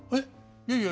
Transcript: いやいや。